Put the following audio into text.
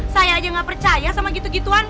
saya saja tidak percaya sama gitu gituan